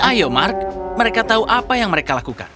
ayo mark mereka tahu apa yang mereka lakukan